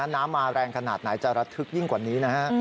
น้ำมาแรงขนาดไหนจะระทึกยิ่งกว่านี้นะฮะ